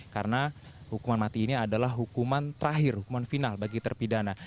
karena hukuman mati ini adalah hukuman terakhir hukuman final bagi terpi dana